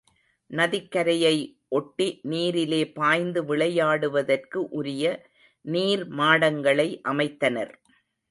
நதிக்கரையை ஒட்டி நீரிலே பாய்ந்து விளையாடுதற்கு உரிய நீர்மாடங்களை அமைத்தனர்.